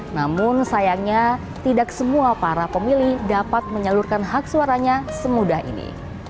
namun sayangnya tidak semua para pemilih dapat menyalurkan hak suaranya semudah ini